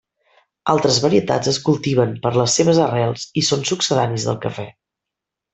Altres varietats es cultiven per les seves arrels i són succedanis del cafè.